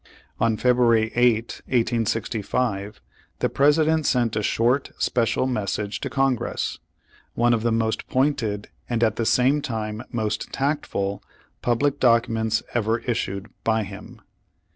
On February 8, 1865, the President sent a short special message to Congress, one of the most pointed and at the same time most tactful public documents ever issued by him.